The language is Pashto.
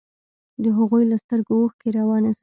د هغوى له سترگو اوښکې روانې سوې.